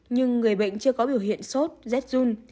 nhưng người bệnh chưa có biểu hiện sốt rét run